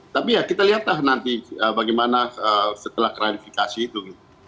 tapi ya kita lihatlah nanti bagaimana setelah klarifikasi itu